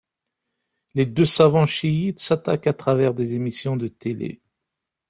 Les deux savants chiites s'attaquent à travers des émissions de télé.